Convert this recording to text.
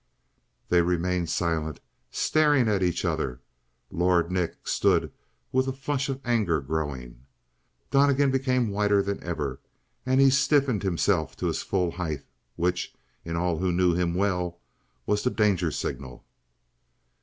They remained silent, staring at each other. Lord Nick stood with a flush of anger growing; Donnegan became whiter than ever, and he stiffened himself to his full height, which, in all who knew him well, was the danger signal.